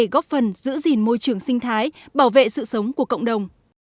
góp phần giữ gìn môi trường sinh thái bảo vệ sự sống của cộng đồng